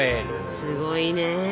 すごいね。